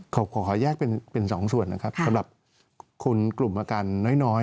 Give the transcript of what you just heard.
ขอแยกเป็นสองส่วนนะครับสำหรับคนกลุ่มอาการน้อย